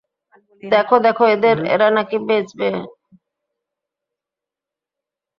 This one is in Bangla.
দেখো, দেখো এদের, এরা নাকি বেচবে কনডম?